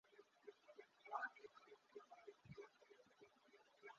মনে পড়িতে লাগিল, একদিন উজ্জ্বল প্রভাতে গিরিবালা অঞ্চল ভরিয়া নববর্ষার আর্দ্র বকুলফুল আনিয়াছিল।